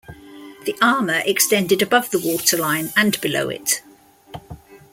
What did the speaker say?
The armour extended above the waterline and below it.